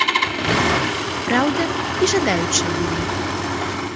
Праўда, і жадаючыя былі.